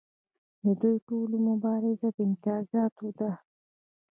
د دوی ټوله مبارزه د امتیازاتو ده.